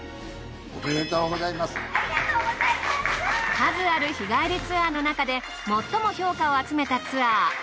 数ある日帰りツアーの中で最も評価を集めたツアー。